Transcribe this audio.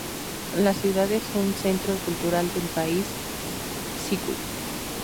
La ciudad es un centro cultural del País sículo.